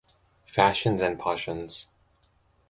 "Fashions and Pashuns".